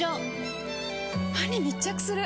歯に密着する！